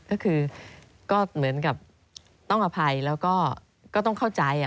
ก็คือก็เหมือนกับต้องอภัยแล้วก็ต้องเข้าใจ